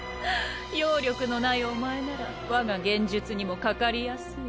妖力のないおまえなら我が幻術にもかかりやすい。